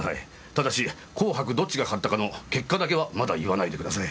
ただし紅白どっちが勝ったかの結果だけはまだ言わないでください。